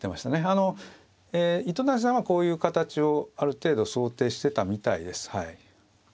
あの糸谷さんはこういう形をある程度想定してたみたいです。